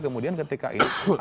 kemudian ketika ini